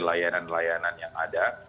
layanan layanan yang ada